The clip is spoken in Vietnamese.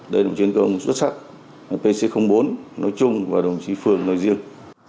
đây là một chiến công xuất sắc pc bốn nói chung và đồng chí phương nói riêng